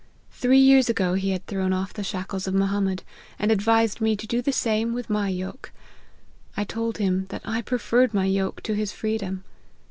Three years ago, he had thrown off the shackles of Mo hammed, and advised me to do the same with my yoke. I told him, that I preferred my yoke to his freedom.